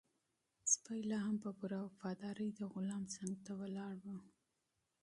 سپی لا هم په پوره وفادارۍ د غلام څنګ ته ولاړ و.